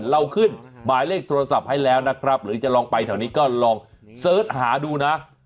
เราขึ้นหมายเลขโทรศัพท์ให้แล้วนะครับหรือจะลองไปแถวนี้ก็ลองเสิร์ชหาดูนะ